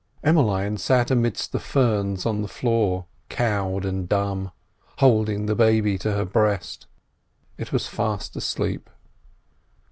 Emmeline sat amidst the ferns on the floor cowed and dumb, holding the baby to her breast. It was fast asleep.